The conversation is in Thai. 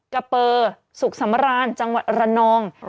กะเปอร์สุขสำราญจังหวัดระนอง